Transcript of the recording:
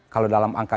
kalau dalam angka